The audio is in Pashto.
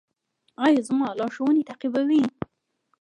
ایا زما لارښوونې تعقیبوئ؟